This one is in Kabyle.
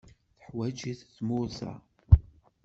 Tuḥwaǧ-it tmurt-a.